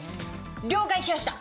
了解しやした。